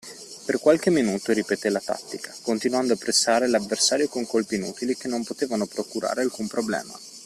Per qualche minuto ripeté la tattica, continuando a pressare l’avversario con colpi inutili, che non potevano procurare alcun problema.